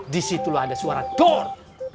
di situ ada suara dor